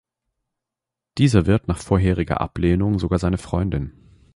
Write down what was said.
Diese wird nach vorheriger Ablehnung sogar seine Freundin.